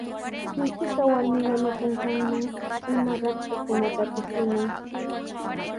Mishiqa warmi yanukunqanman ima raktrakunatapis winan.